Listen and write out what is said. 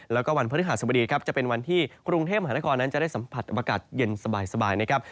แล้วก็วันพฤหัสบดีครับจะเป็นวันที่กรุงเทพมหานครนั้นจะได้สัมผัสอากาศเย็นสบายนะครับ